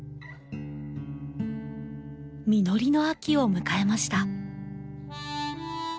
実りの秋を迎えました。